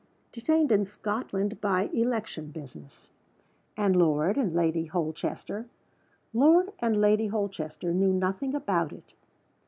Detained in Scotland by election business. And Lord and Lady Holchester? Lord and Lady Holchester knew nothing about it.